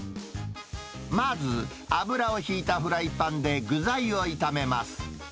まず、油を引いたフライパンで具材を炒めます。